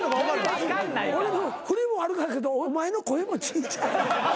俺の振りも悪かったけどお前の声も小ちゃい。